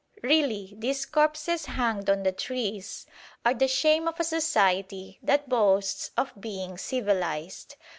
Really, these corpses hanged on the trees are the shame of a society that boasts of being civilised.